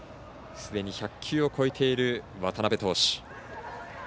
すでに１００球を超えている渡邊投手。